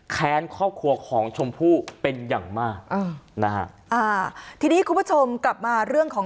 แค้นครอบครัวของชมพู่เป็นอย่างมากนะฮะ